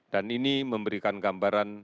dan ini memberikan gambaran